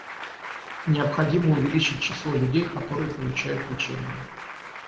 Необходимо увеличить число людей, которые получают лечение.